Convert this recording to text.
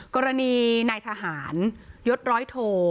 กรณีนายทหารยศร้อยโท